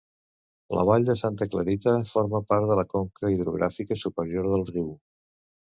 La vall de Santa Clarita forma part de la conca hidrogràfica superior del riu.